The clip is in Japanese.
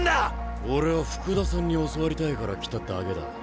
俺は福田さんに教わりたいから来ただけだ。